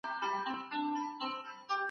د ټولنې هره پرېکړه سياسي ماهيت لري.